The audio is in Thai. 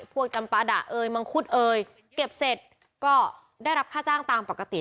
จำปาดะเอ่ยมังคุดเอ่ยเก็บเสร็จก็ได้รับค่าจ้างตามปกติ